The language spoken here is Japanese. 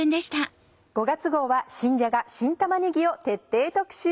５月号は新じゃが新玉ねぎを徹底特集。